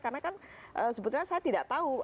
karena kan sebetulnya saya tidak tahu